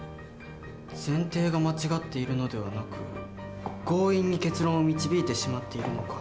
前提が間違っているのではなく強引に結論を導いてしまっているのか。